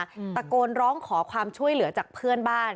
มบรรยาะยจะตาโกนร้องขอความช่วยเหลือจากเพื่อนบ้าน